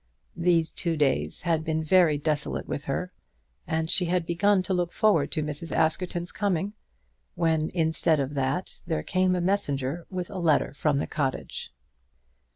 These two days had been very desolate with her, and she had begun to look forward to Mrs. Askerton's coming, when instead of that there came a messenger with a letter from the cottage.